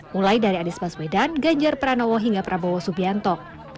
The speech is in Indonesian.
mulai dari anies baswedan ganjar pranowo hingga prabowo subianto